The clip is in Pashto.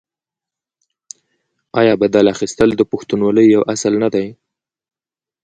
آیا بدل اخیستل د پښتونولۍ یو اصل نه دی؟